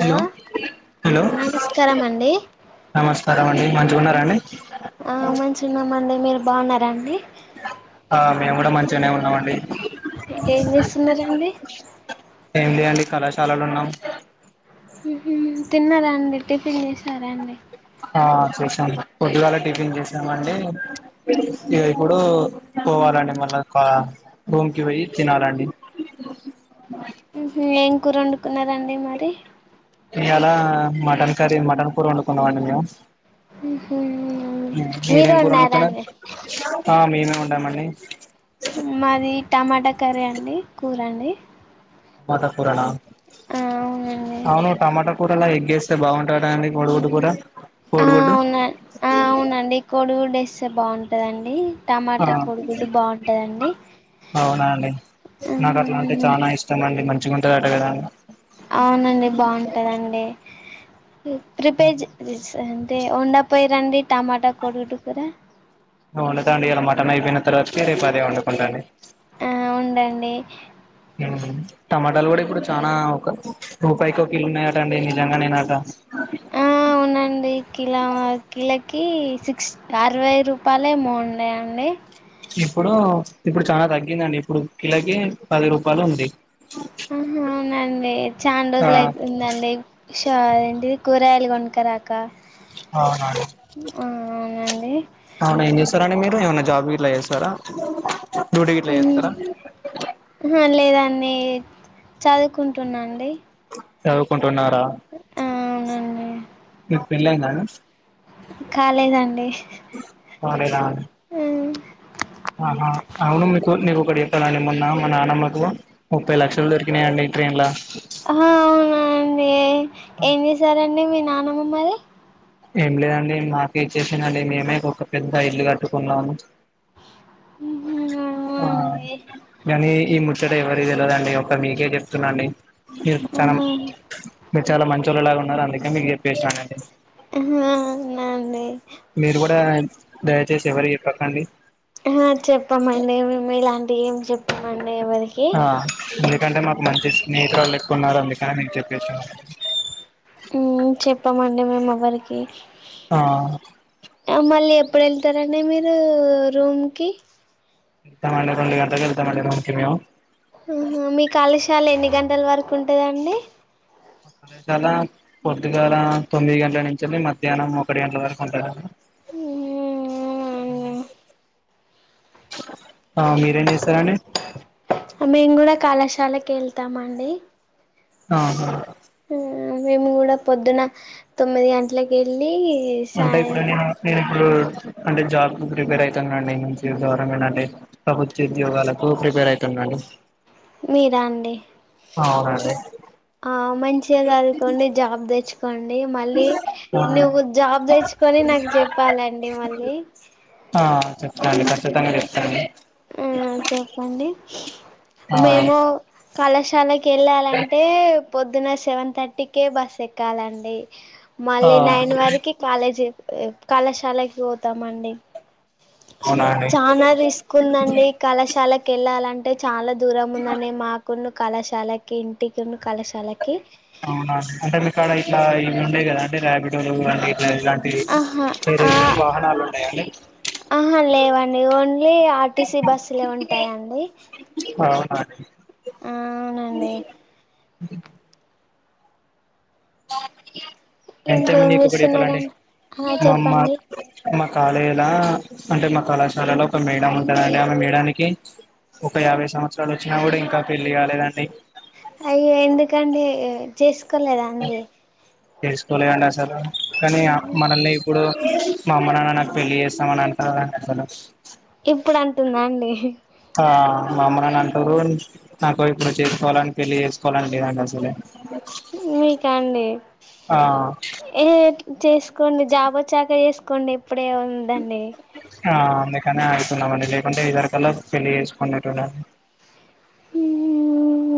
Hello hello నమస్కారం అండి నమస్కారం అండి. మంచిగున్నార అండి. ఆ మంచిగా ఉన్నామండి మీరు బాగున్నారండి ఆ మేము కూడా మంచిగానే ఉన్నామండి అ ఏం చేస్తున్నారూ అండి ఏంలే అండి కళాశాలల ఉన్నాం. ఉహ్ తిన్నారాండి. టిఫిన్ చేసారా అండి. ఆ చేసాం. పొద్దుగాల టిఫిన్ చేసం మండి ఇగా ఇప్పుడు పోవాలండి. మళ్ళా కా రూమ్కి పోయి తినాలండి. ఉహ్ ఏం కూర వండుకున్నరూ అండి మరి ఇయాలా మటన్ కర్రీ మటన్ కూర వండుకున్నాం. అండి మేము ఉహ్ మీరే మీరేం వండరాండి. కుంట మండీ మాది టమాటా కర్రీ అండి కూర అం డి టమాట కూరనా అవునండి అవును టమాటా కూరాలా ఎగ్గేస్తే బాగుంటా దాటా గదాండి కోడు గుడ్డు కూరా ఆ అవున ఆ అవునండి కోడిగుడ్డు ఏ ఇస్తే బాగుంటదండి ఆ టమాటా కోడిగుడ్డు బాగుంటదండి అవునా అండి నాకు అట్లాంటివి చానా ఇష్టమండి అండి మంచి మంచిగుంటదట కదా అవునండి బాగుంటదండి ప్రిపేర్ జేస్ అంటే వండక్ పోయిర్రా అండి టమాటా కొడిగుడ్డ కూర వండుతా అండి ఇయాల మటన్ అయిపోయిన తర్వాతకి రేపు అదే వండుకుంటానండి ఆ ఉండండి టమాటాలు గూడా ఇప్పుడు చానా ఒక రూపాయికి ఒక కిలో ఉన్నాయట అండి నిజంగా నేనంట ఆ ఉన్నాయండీ కిలో కిల కి సిక్స్ అరవై రూపాయలేమున్నాయి అండి ఇప్పుడు ఇప్పుడు చాలా తగ్గిందండి ఇప్పుడు కిలోకి పది రూపాయలు ఉంది ఆహ అవునండి చాన ఆ రోజులు అయితుందండి షార్ ఏంటి కూరగాయలు కొనుక్కరాక ఆ అవునండి ఏ అవును ఏం చేస్తారండి మీరు ఏమన్నా జాబ్ ఇట్ల చేస్తారా డ్యూటీ గిట్లా చేస్తారా అహ లేదాండి మీ చదువుకుంటున్నాండి చదువుకు టున్నారా ఆ అవునండి పెళ్లయిందా అండి కాలేదండి కాలేదా అండి హ్మ్ ఆహా అవును మీకు నేను ఒకటి ని మొన్న నానమ్మకు ముప్పై లక్షలు దొరికినాయండి ట్రైన్ లో అవునా అండి ఏం చేశారండి మీ నా మమ్ మరి ఏం లేదండి మాకే ఇచ్చేసిందండి మేమే ఒక పెద్ద ఇల్లు కట్టుకున్నాము ఆ అవునండి. ఎని ఈ ముచ్చట ఎవరికి తెల్వదండి ఒక మీకే చెప్తున్నా అండి ఇగ చానా ఆహా [unintelligible] చాలా మంచొల్లు లాగా ఉన్నారు అందుకే మీకు చెప్పేసానండి హ్మ్ హు అవునా అండి మీరు కూడా దయచేసి ఎవరికి చెప్పకండి ఆహా చెప్పమండి మేము ఇలాంటివి ఏం చెప్పనండి ఆహ్ ఎందుకంటే మాకు మంచి స్నేహితురాలు ఎక్కు ఉన్నారు అం [unintelligible] చెప్పేసాను హమ్ చెప్పామండి మేం ఎవ్వరికి ఆహ్ మళ్ళీ ఎప్పుడు వెళ్తారండి మీరు రూంకి వెళ్తాం అండి రెండు గంటలకి వెళ్తాము అండి రూంకి మేము ఉహు మీ కాళశాల ఎన్ని గంటల వరకు ఉంటదండి కళాశాల పొద్దుగల తొమ్మిది గంటల నుంచి అండి మధ్యాహ్నం ఒకటి గంటల వరకు ఉంటదండి హ్మ్. అవునా అండి. ఆ మీరేం చేస్తారాండి మేము కూడా కళాశాలకి ఏల్తం అండి ఆహా హమ్ మేము కూడా పొద్దున తొమ్మిది గంటలకి వెళ్ళి అంటే ఇప్పుడు సాయం నేను నేను ఇప్పుడు అంటే జాబ్ కు ప్రిపేర్ అయితనండి ఇంకా నుంచి గవర్నమెంట్ అంటే ప్రభుత్వ ఉద్యోగాలకు ప్రిపేర్ అయితున్నాండీ మీరాండి అవునండి ఆ మంచిగాది చదువుకోండి జాబ్ తెచ్చుకో కోండి మళ్ళీ నువ్వు జాబ్ తెచ్చుకొని నాకు చెప్పాలండి మళ్ళీ చెప్తా అండి కచ్చితంగా చెప్తా ఆ చెప్పండి ఆ [unintelligible] మేము కళాశాలకి కేళ్ళాలంటే పొద్దున సెవెన్ థర్టీకే బస్ ఎక్కాలండి ఆ మళ్ళీ నైన్ వరకి కాలేజీ కళాశాలకి పోతామండి అవునా అండి చానా రిస్క్ కుందండి కళశ కాలకి వెళ్ళాలింటే చా చాలా దూరం ఉందండీ మాకున్న కళాశాలకి ఇంటికి ఉన్న కళాశాలకి అవునా అంటే మీకు అక్కడ ఇట్లా ఇవి ఉండేయి కదా అంటే రాపిడోలు ఇలాంటియి ఆహా ఆ వాహనాలు ఉన్నాయండి ఆహా లేవండి ఓన్లీ ఆర్టీసీ బస్సులే ఉంటాయండి ఆర్ టి సి అవునండి అ [unintelligible] అ [unintelligible] బ [unintelligible] ఇంకేం చేస్తున్నారని ఆ మామ్మ మా చెప్పండి మా కళేజీల అంటే మా కళాశాలలో ఒక మేడం ఉంటుందండి ఆమె మేడనికి ఒక యాభై సంవత్సరాలు వచ్చినా కూడా ఇంకా పెళ్ళియాలేదండి అయ్యా ఎందుకండి చేసు పక్కలేదా అండి తెలుసుకోవలే కండి అసలు కానీ మనల్ని ఇప్పుడు మా అమ్మ నాన్న నాకు పెళ్ళి చేస్తామని అంట అలు ఇప్పుడు అంటుందా అండి ఆ మా అమ్మరాని అంటారు నాకు ఇప్పుడు చేసుకోవాలని పెళ్లిి చేసుకోవాలని లేదండి అసలే మీ కాడి ఆ ఏ చేసుకోండి జాబ చాక చేసుకోండి ఇప్పుడే ఉందండి ఆ అందుకనే అవుతున్నామండి లేకుంటే ఇదరకలా పెళ్లిి చేసుకునే హ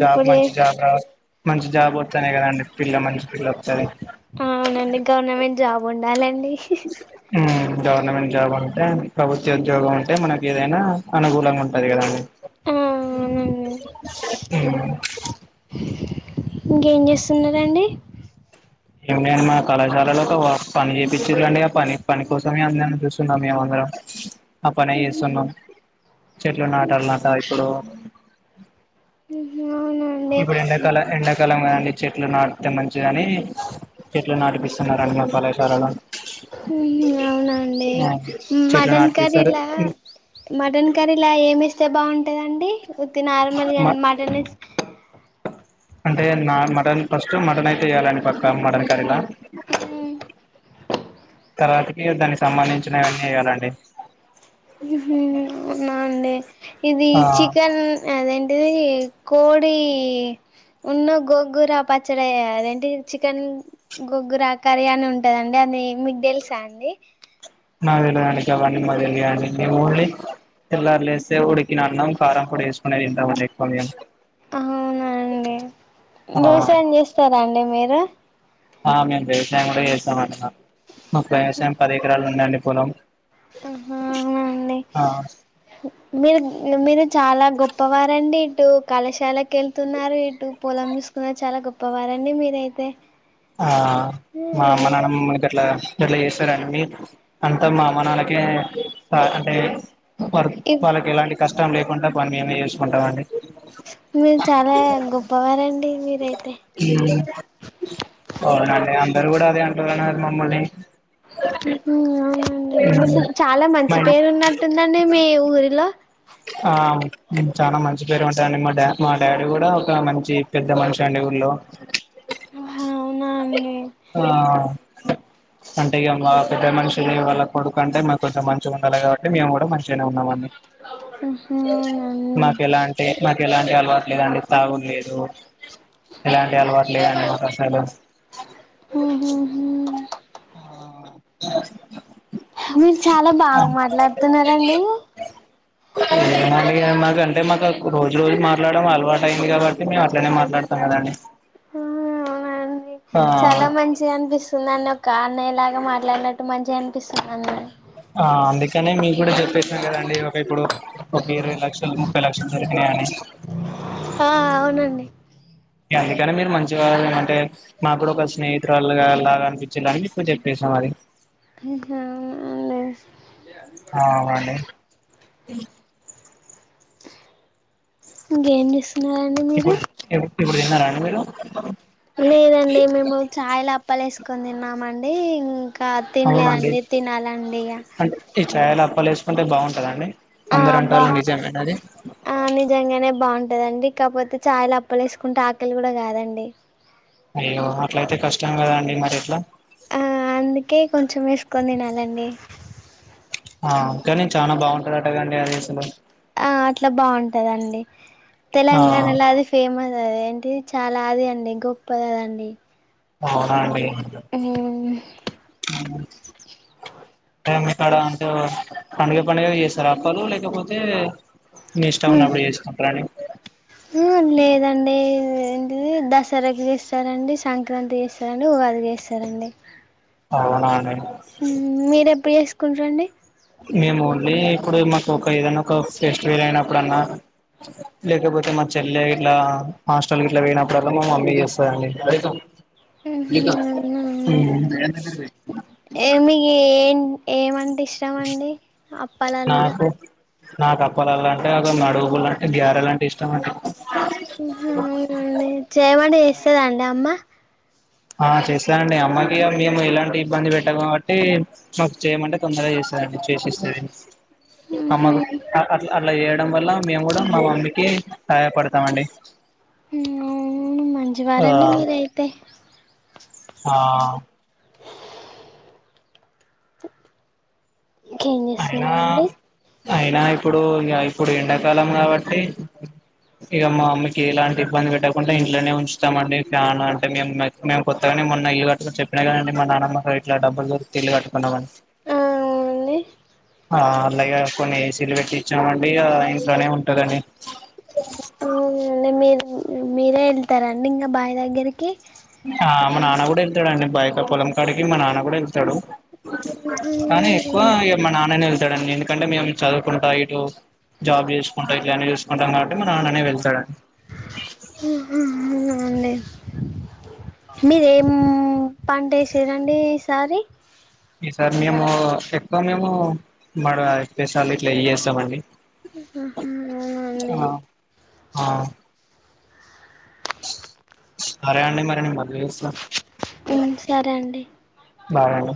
జాబ్ మంచి జాబ్ రా మంచి జాబ్ వవుాయి కదండి పిల్ల మంచి పిల్ల వస్తది అవునండి గవర్నమెంట్ జాబ్ ఉండాలండి గవనమెట్ జబ అంటే ప్రభుత్వ ఉద్యోగం ఉంటే మనకి ఏదైనా అనుకూలంగా ఉంటది కదండి ఆ అవునండి ఆ ఇంకేం చేస్తున్నండి ఏమి అని మా కళాశాలలో ఒక పని చేయిించట్ండి ఆ పని పని కోసమే అందని చూస్తున్నాం మేమందరం ఆ పనే చేస్తున్నాం చెట్లు నాటాల నాక ఇప్పుడు అవునండి ఇప్పుడు ఎంండడాకాలం ఎండాకాలంం చెట్లు నాడు కాని చెట్లు నాటిపిస్తున్నండి మా కళాశాలలో అవునండి చెట్లు మటన్ నాటిపిస్తారు కర్రీలా అంతే బాగుంటుందండి ఉతి నార్మల్గా మా అమాటనే అంటే నా మటన్ ఫస్ట్ మటన్ అయితే వేయ్యాలండి పక్కా మటన్ కర్రీలా తర్వాతకి దానికి సంబంధించినవన్నీ వేయాలండి ఇ ఇది ఆ ఈ చికన్ అద అంట కోడి ఉన్న గొగ్గుర పచ్చడియద ఏంటంటి చికెన్ గొగ్గుర కర్రీ అని ఉంటుందండి అది మీకు తెలుసా అండి నా తెలిదండి కావంీ మాది తెలియండి మేము ఓన్లీ పిల్లర్లు వేస్తే ఉడికిన అన్నం కారం కూడా వేసుకునే తింటాండి ఎక్కువ మేము అవునా అండి ఆ ూస ఏం చేస్తారా అండి మీరు ఆ మీా కూడా చేసా మ ముప్పైసయం పది ఎకరాలు ఉన్నాండి పనం ఉహుమ్ అవనాండి మీ మరు మీ మర చాలా గొప్పవారంండి ఇటు కళాశాలకు వెళ్తున్నారు ఇటు పొలం తీూసుకున్నారు చాలా గొప్పవారంండి మీరైతే ఆ మా అమ్మ నాన్న ని అట్లా ఇట్లా చేస్తార అని మీ అంతా మా అమనళ్ళకే అంటే వా వాళ్ళకి ఎలాంటి కష్టం లే కుం పని మే చూసుకుంటాండి మీరు చాలా గొప్పవారండి మీరైతే ఉమ్ అవునండి అందరుూ కూడా అదే అంటున్నారున్నారు మమ్మల్ని ఉహుమ్ అవునండి మీకు చాలా మంచి మా పేరు ఉన్నట్టుందండి మీ ఊరిలో ఆ చాలా మంచి పేరు ఉంటారుడి మా డా మా డాడీ కూడా ఒక మంచి పెద్ద మనిషి అండి ఊరిలో అవునా అండి ఆ అంటే ఇక మా పెద్ద మనిషులు వాళ్ళ కొడుకు అంటే మాకు కొంచెం మంచిగా ఉండాలి కాబట్టి మేము కూడా మంచిగానే ఉన్నామండి ఉహుమ్ ఉమ్ మాకు ఎలాంటి ఉ మాకు ఎలాంటి అలవాట్లేదండి తాగుడు లేదు ఇలాంటి అలవాట్లు ఆ కాస్టల్ ఉహు హు ఆ మీరు చాలా బాగా మాట్లాడుతున్నారంండి మాక అంటే మాకు రోజు రోజు మాట్లాడడం అలవాటు అయింది కాబట్టి మేము అట్లనే మాట్లాడుతాం కదండి అవునండి చాలా ఆ మంచిగా అనిపిస్తున్నా నాకు కాణ ఇలాగా మాట్లాడినట్టు మంచిగా అనిపిస్తుంది ఆ అందుకనే మీ కూడా చెప్పేసినం కదండి ఒక ఇప్పుడు ఒక ఇరవై లక్షలు ముప్పై లక్షలు జరిగినాయిడి ఆ అవునండి అందుకని మీరు మంచిగా అంటే మాకు కూడా ఒక స్నేహితురాళగాలాగా అనిపించేలనికు చెప్పేసాం అది అహా ఎమ్ లే అ అవునండి అ గే ని నండి మీరు ఇప్పుడు ఇప్పుడు తిన్నారాండి మీరు లేదండి మేము చాయల అప్పలేసుకో కొని తిన్నామండి ఇంకా తినలేదండి తినాలండి ఇగ చాయల అప్పాలు వేసుకుంటే బాగుంటుందా అండి ఆబ్బా ఆ నిజంగానే బాగుంటు ఉంటదండి ఇ కాకపోతే చాయలు అప్పలే వేసుకుంటే ఆకలి కూడా కాదండి అయ్యో అట్ల అయితే కష్టం కదండి మరి ఎట్లా లాండి ఆ కాని చాలా బాగుంటాడుట గాండి అది అసలు ఆ అట్లా బాగుంటదండి ఆ తెలంగాణలా అది ఫేమస్ అదేంటి ది చాలా అది అండి గొప్పదదండి అవునా అండి ఇక్కడ అంటే పండుగ పండుగ చేస్తార అప్పాలు లేకపోతే మీ ఇష్టం హ్మ్ ఉన్నప్పుడు చేసుకుంటారండి మ్మ్ లేదండి ఇది దసరాకి చేస్తారండి సంక్రాంతి చేస్తారండి ఉగాదికి చేస్తారండి అవునా మీరూ ఎప్పుడు చేసుకుంటారండి మేము ఓన్లీ ఇప్పుడు మాకు ఒక ఏదన్న ఒక ఫెస్టివల్ అయినప్పుడన్నా లేకపోతే మా చెల్లె ఇట్లా హాస్టల్ ఇట్లా పోయినప్పుడన్న మా మమ్మీ చేస్తాదండి హ్మ హ్మ్ ఏమీ ఏ ఏమండి ఇష్టమ అండి అప్పాలాల్ల నాకు నాకు అప్పలాల్ల అంటే ఒక మాడుగులు అంటే గ్యారెలు అంటే ఇష్టం అండి చెయ్యమంటే చేస్తాదండి అమ్మ ఆ చేస్తదండి అమ్మాకి మేము ఎలాంటి ఇబ్బంది పెట్టాము కాబట్టి మాకు చేయమంటే తొందరగా చేస చేసిస్తది అమ్మ ఆ అట్ల అలా చేయడం వల్ల మేము కూడా మా మమ్మకి సహాయపడతామండి ఆ ఆ మంచివారండి మీరయితే ఆ [inaudible] ఇంకా ఏం అయినా చేస్తున్నానండి అయినా ఇప్పుడు ఇక ఇప్పుడు ఎండాకాలం కాబట్టి ఇక మా అమ్మకి ఎలాంటి ఇబ్బంది పెట్టకుండా ఇంట్లోనే ఉంచుతామండి ఫ్యాన్ అంటే మేము మేము కొత్తగాని మొన్న ఇల్లు కట్టుకుని చెప్పినా కదండి మా నానమ్మ ఇట్లా డబ్బులు దొరికుతే ఇల్లు కట్టుకున్నామని అవునండి ఆ అలాగే కొన్ని ఏసీలు పెట్టిచ్చామండి ఇంట్లోనే ఉంటందండి మీరు మీరే వెళ్తారండి ఇంకా బాయి దగ్గరికి ఆ మా నాన్న కూడా వెళ్తాడు అండి బైట పొలం కాడికి మా నాన్న కూడా వెళ్తాడు కానీ ఎక్కువ ఇగ మా నాన్నని ఎందుకంటే మేము చదువుకుంటా ఇటు జాబ్ చేసుకుంటా ఇట్లా అనే చుసుకుంటాం కాబట్టి మా నాన్ననే వెళ్తాడు. అండి మీది ఏం పంట వేసరండి ఈసారి ఈ సారి మేము ఎక్కువ మేము మడ పెసలు ఇట్లా ఇ చేస్తామండి. ఆ అవున అండి ఆ సరే అండి మరి నేను మళ్లీ చేస్తా మ్మ్ సరే అండి. బాయ్ అండి